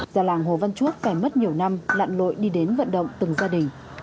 gia làng hồ văn chuốc phải mất nhiều năm lặn lội đi đến vận động từng gia đình